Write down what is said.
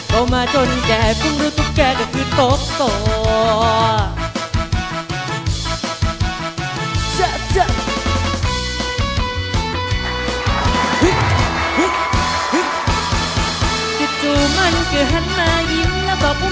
โตมาจนแก่เพิ่งรู้ตุ๊กแก่ก็คือตุ๊กโต